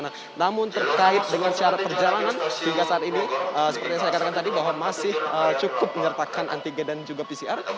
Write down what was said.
nah namun terkait dengan syarat perjalanan hingga saat ini seperti yang saya katakan tadi bahwa masih cukup menyertakan antigen dan juga pcr